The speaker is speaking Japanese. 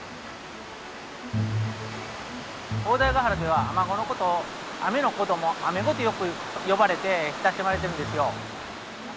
大台ヶ原ではアマゴのことを雨の子ども雨子とよく呼ばれて親しまれてるんですよ。